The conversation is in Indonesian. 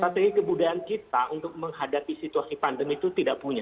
strategi kebudayaan kita untuk menghadapi situasi pandemi itu tidak punya